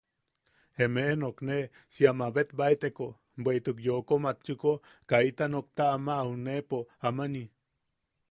Emeʼe nokne si a mabetbaeteko, bweʼituk yooko matchuko kaita nokta ama auneʼepo amani.